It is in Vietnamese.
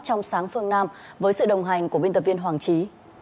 trong sáng phương nam với sự đồng hành của biên tập viên hoàng trí